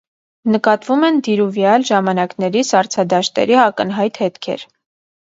Նկատվում են դիլուվիալ ժամանակների սառցադաշտերի ակնհայտ հետքեր։